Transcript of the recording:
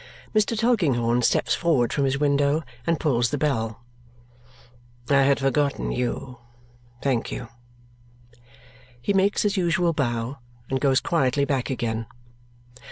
Mr. Tulkinghorn steps forward from his window and pulls the bell. "I had forgotten you. Thank you." He makes his usual bow and goes quietly back again.